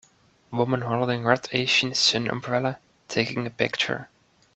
woman holding red asian sun umbrella, taking a picture.